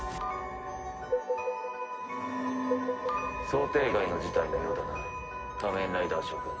「想定外の事態のようだな仮面ライダー諸君」